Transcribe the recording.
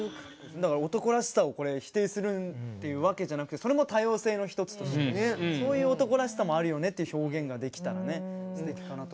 だから男らしさをこれ否定するっていうわけじゃなくてそれも多様性の一つとしてねそういう男らしさもあるよねっていう表現ができたらねすてきかなと。